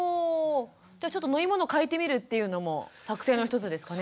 じゃあちょっと飲み物をかえてみるっていうのも作戦の一つですかね？